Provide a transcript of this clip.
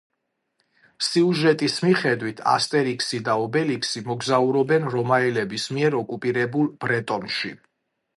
სიუჟეტის მიხედვით, ასტერიქსი და ობელიქსი მოგზაურობენ რომაელების მიერ ოკუპირებულ ბრეტონში.